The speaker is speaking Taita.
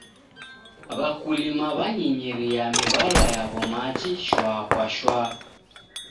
W'akulima w'anyinyiria miw'alwa yaw'o machi shwaa kwa shwaa.